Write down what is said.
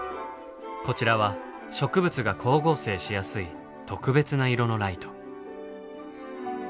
こちらは植物が光合成しやすい特別な色のライト。